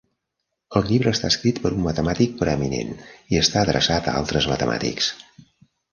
El llibre està escrit per un matemàtic preeminent i està adreçat a altres matemàtics.